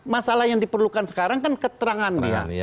masalah yang diperlukan sekarang kan keterangan dia